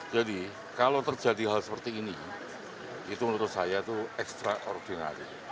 jadi kalau terjadi hal seperti ini itu menurut saya itu ekstraordinari